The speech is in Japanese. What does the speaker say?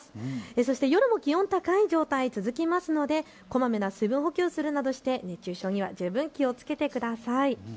そして夜も気温、高い状態続きますのでこまめに水分補給をするなどして熱中症には十分気をつけてください。